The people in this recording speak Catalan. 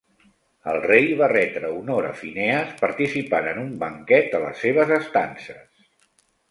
El rei va retre honor a Phineas participant en un banquet a les seves estances.